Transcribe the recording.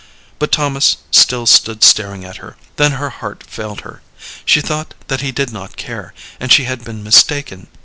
But Thomas still stood staring at her. Then her heart failed her. She thought that he did not care, and she had been mistaken.